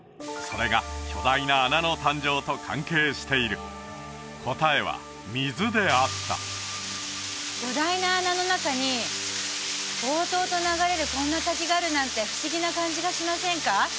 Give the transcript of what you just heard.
それが巨大な穴の誕生と関係している答えは「水」であった巨大な穴の中にとうとうと流れるこんな滝があるなんて不思議な感じがしませんか？